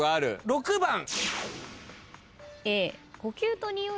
６番。